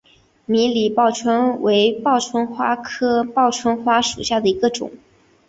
迷离报春为报春花科报春花属下的一个种。